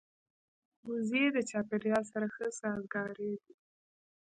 وزې د چاپېریال سره ښه سازګارې دي